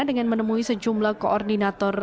dengan menemui sejumlah koordinator